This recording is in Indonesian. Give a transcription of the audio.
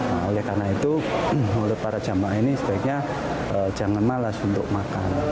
nah oleh karena itu oleh para jamaah ini sebaiknya jangan malas untuk makan